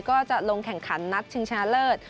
ก็จะลงแข่งขันนัดชิงชนะเลิศ